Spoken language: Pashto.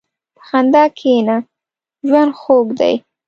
په خندا کښېنه، ژوند خوږ دی.